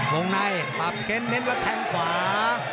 วงในปรับเค้นเน้นแล้วแทงขวา